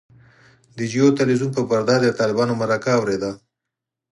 د جیو تلویزیون پر پرده د طالبانو مرکه اورېده.